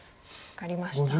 分かりました。